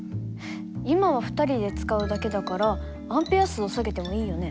今は２人で使うだけだからＡ数を下げてもいいよね。